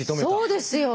そうですよ！